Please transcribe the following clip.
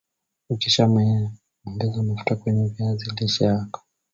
ukisha menye ongeza mafuta ke]wenye viazi lishe vyako